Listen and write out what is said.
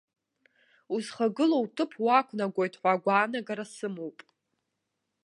Узхагылоу уҭыԥ уақәнагоит ҳәа агәаанагара сымоуп.